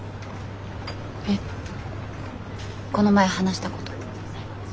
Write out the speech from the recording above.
この前話したこと。